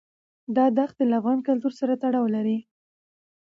دا دښتې له افغان کلتور سره تړاو لري.